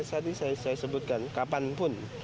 saat ini saya sebutkan kapanpun